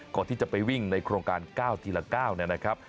ก่อนที่จะไปวิ่งในโครงการ๙ทีละ๙นะครับ